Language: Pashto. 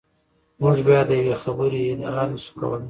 موږ بیا د یوې خبرې ادعا نشو کولای.